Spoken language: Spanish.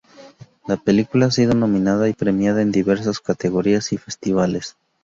La película ha sido nominada y premiada en diversas categorías y festivales.